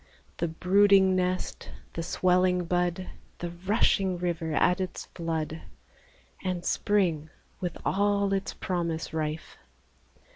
The brooding nest, the swelling bud, The rushing river at its flood, And Spring with all its promise rife.